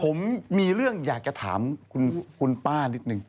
ผมมีเรื่องอยากจะถามคุณป้านิดนึง